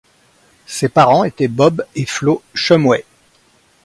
Ses parents étaient Bob et Flo Shumway.